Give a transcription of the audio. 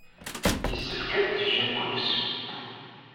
Yessefk ad d-tejjem kullec.